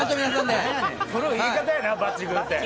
古い言い方やな、バッチグーって。